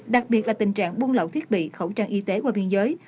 đặc biệt là tình trạng buôn lậu thiết bị khẩu trang y tế qua biên giới